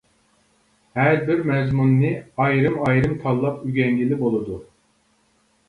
ھەربىر مەزمۇننى ئايرىم-ئايرىم تاللاپ ئۆگەنگىلى بولىدۇ.